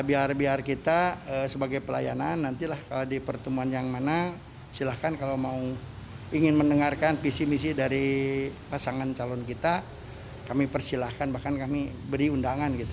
biar kita sebagai pelayanan nantilah di pertemuan yang mana silahkan kalau mau ingin mendengarkan visi misi dari pasangan calon kita kami persilahkan bahkan kami beri undangan gitu